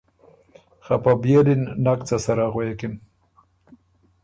خه په بيېلی ن نک څه سره غوېکِن۔